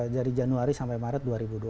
dari januari sampai maret dua ribu dua puluh